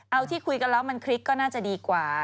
เอาที่คุยกันแล้วมันคลิกก็น่าจะดีกว่า